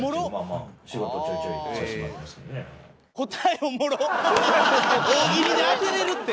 「ああー」大喜利で当てれるって！